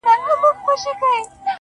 خورې ورې پرتې وي,